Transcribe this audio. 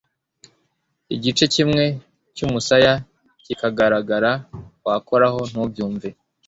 Igice kimwe cy'umusaya kikagagara wakoraho ntubyumve,